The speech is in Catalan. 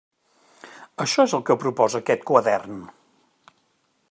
Això és el que proposa aquest quadern.